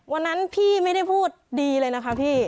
วันนั้นพี่ไม่ได้พูดดีเลยนะคะพี่